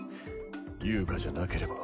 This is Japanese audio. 遊我じゃなければ。